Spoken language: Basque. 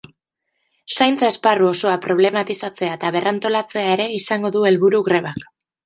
Zaintza esparru osoa problematizatzea eta berrantolatzea ere izango du helburu grebak.